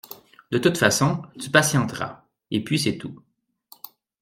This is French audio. De toute façon, tu patienteras, et puis c’est tout.